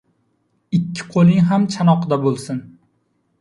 Ikki qo‘ling ham chanoqda bo‘lsin.